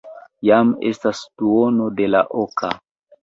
Jam estas duono de la oka.